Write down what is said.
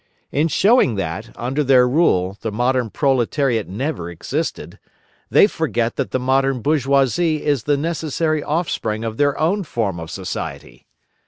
In showing that, under their rule, the modern proletariat never existed, they forget that the modern bourgeoisie is the necessary offspring of their own form of society.